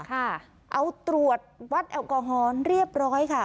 เอาตรวจวัดแอลกอฮอล์เรียบร้อยค่ะ